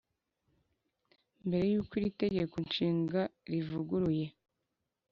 Mbere y’uko iri Tegeko Nshinga rivuguruye